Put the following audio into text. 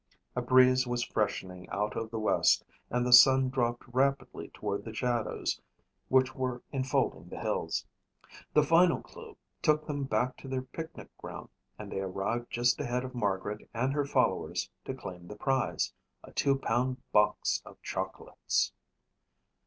A breeze was freshening out of the west and the sun dropped rapidly toward the shadows which were enfolding the hills. The final clue took them back to their picnic ground and they arrived just ahead of Margaret and her followers to claim the prize, a two pound box of chocolates.